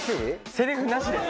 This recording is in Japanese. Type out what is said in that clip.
セリフなしです。